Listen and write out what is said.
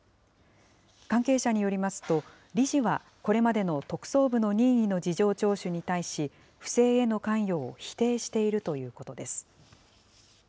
関係者によりますと、理事はこれまでの特捜部の任意の事情聴取に対し、不正への関与を否定しているということです。